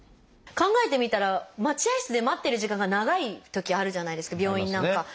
考えてみたら待合室で待ってる時間が長いときあるじゃないですか病院なんか。